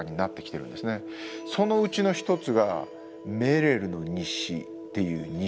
そのうちの一つが「メレルの日誌」っていう日誌。